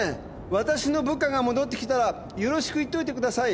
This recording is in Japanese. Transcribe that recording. わたしの部下が戻ってきたらよろしく言っといてください。